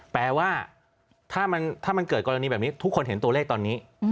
แปลว่าถ้ามันเกิดกรณีแบบนี้ทุกคนเห็นตัวเลขตอนนี้